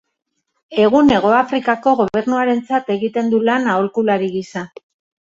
Egun Hegoafrikako gobernuarentzat egiten du lan aholkulari gisa.